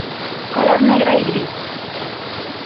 Color: Negra y gris.